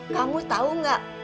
kamu tau gak